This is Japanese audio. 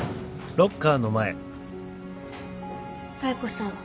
妙子さん。